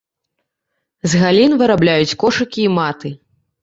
З галін вырабляюць кошыкі і маты.